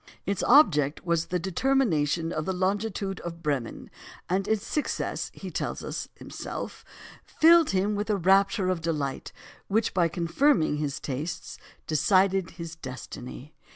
Its object was the determination of the longitude of Bremen, and its success, he tells us himself, filled him with a rapture of delight, which, by confirming his tastes, decided his destiny.